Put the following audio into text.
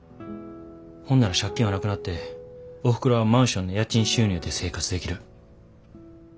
ほんなら借金はなくなっておふくろはマンションの家賃収入で生活できる。